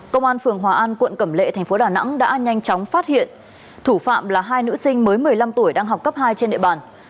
công an phường hòa an quận cẩm lệ thành phố đà nẵng đã nhanh chóng phát hiện thủ phạm là hai nữ sinh mới một mươi năm tuổi đang học cấp hai trên địa bàn